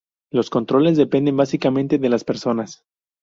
Los controles dependen básicamente de las personas.